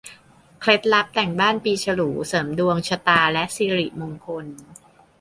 เคล็ดลับแต่งบ้านปีฉลู เสริมดวงชะตาและสิริมงคล